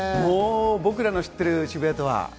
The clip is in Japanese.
僕らの知ってる渋谷とは。